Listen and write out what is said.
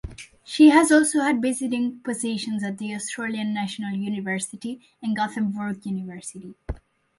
She has also had visiting positions at the Australian National University and Gothenburg University.